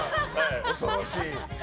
恐ろしい。